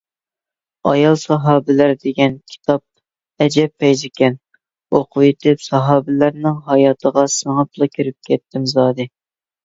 «ئايال ساھابىلەر» دېگەن كىتاب ئەجەب پەيزىكەن، ئوقۇۋېتىپ ساھابىلەرنىڭ ھاياتىغا سىڭىپلا كىرىپ كەتتىم زادى.